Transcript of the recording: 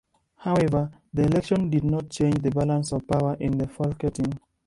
However, the election did not change the balance of power in the Folketing.